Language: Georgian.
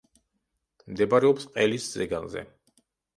მდებარეობს ყელის ზეგანზე.